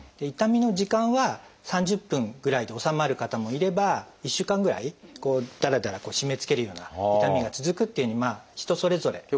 痛みの時間は３０分ぐらいで治まる方もいれば１週間ぐらいだらだら締めつけるような痛みが続くっていうように人それぞれ。